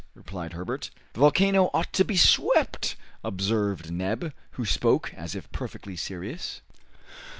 replied Herbert. "The volcano ought to be swept," observed Neb, who spoke as if perfectly serious.